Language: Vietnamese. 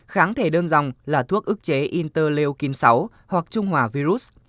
kháng thể đơn dòng là thuốc ức chế interleukin sáu hoặc trung hòa virus